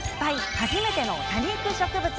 初めての多肉植物。